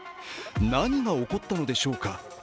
何が起こったのでしょうか。